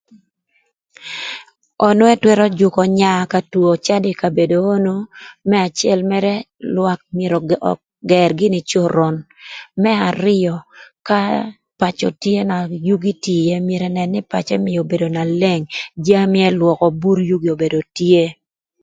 Onu ëtwërö jükö nya ka two cadö kï ï kabedo onu më acël mërë lwak myero ögër gïnï coron. Më arïö ka pacö tye na yugi tye ïë myero ënën nï pacö ëmïö obedo na leng jami ëlwökö bur yugi obedo tye.